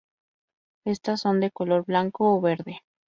Estas son de color blanco o verde.